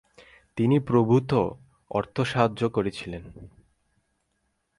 তিনি প্রভূত অর্থসাহায্য করেছিলেন।